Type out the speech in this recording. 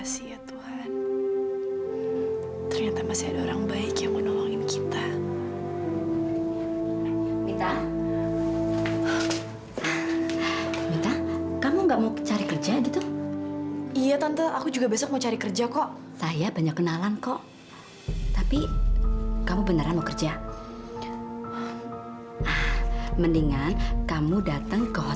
sampai jumpa di video selanjutnya